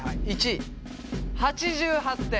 １位８８点。